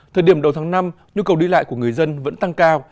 thời điểm đầu tháng năm nhu cầu đi lại của người dân vẫn tăng cao